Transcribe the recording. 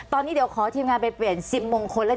ตอนนี้เดี๋ยวขอทีมงานไปเปลี่ยนซิมมงคลแล้ว